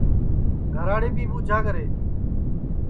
گھراڑے بھی ٻوجھا کرے